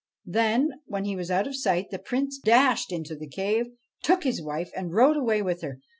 Then, when he was out of sight, the Prince dashed into the cave, took his wife and rode away with her.